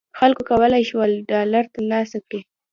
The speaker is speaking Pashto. خلکو کولای شول ډالر تر لاسه کړي.